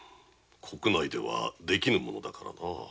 国内ではできぬものだからな。